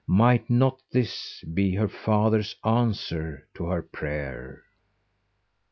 Might not this be the father's answer to her prayer?